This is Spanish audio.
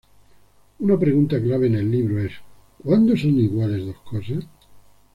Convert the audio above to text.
Una pregunta clave en el libro es: "¿Cuándo son iguales dos cosas?